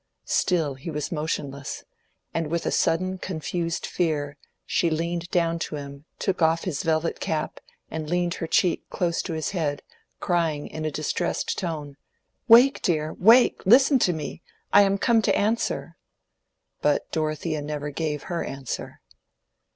Still he was motionless; and with a sudden confused fear, she leaned down to him, took off his velvet cap, and leaned her cheek close to his head, crying in a distressed tone— "Wake, dear, wake! Listen to me. I am come to answer." But Dorothea never gave her answer.